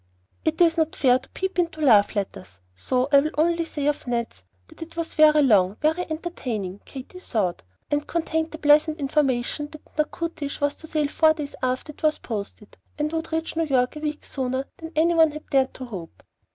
It is not fair to peep into love letters, so I will only say of Ned's that it was very long, very entertaining, Katy thought, and contained the pleasant information that the "Natchitoches" was to sail four days after it was posted, and would reach New York a week sooner than any one had dared to hope.